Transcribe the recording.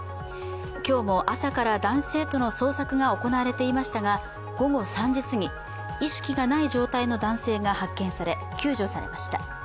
今日も、朝から男子生徒の捜索が行われていましたが、午後３時すぎ意識がない状態の男性が発見され救助されました。